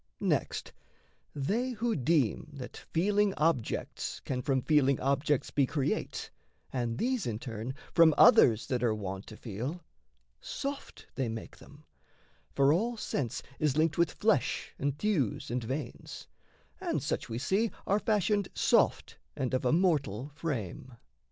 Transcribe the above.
Next, they who deem that feeling objects can From feeling objects be create, and these, In turn, from others that are wont to feel When soft they make them; for all sense is linked With flesh, and thews, and veins and such, we see, Are fashioned soft and of a mortal frame.